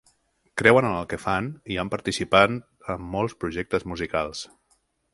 Creuen en el que fan i han participat en molts projectes musicals.